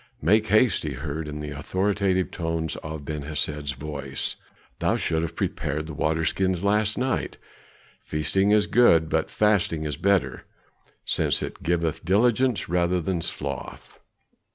"Make haste!" he heard in the authoritative tones of Ben Hesed's voice. "Thou shouldst have prepared the water skins last night. Feasting is good, but fasting is better, since it giveth diligence rather than sloth.